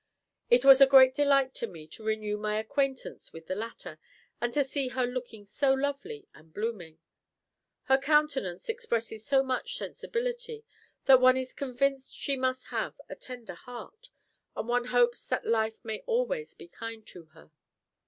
It was a great delight to me to renew my acquaintance with the latter, and to see her looking so lovely and blooming. Her countenance expresses so much sensibility, that one is convinced she must have a tender heart, and one hopes that life may always be kind to her.